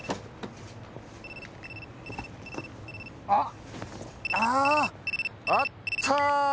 あっあーあった！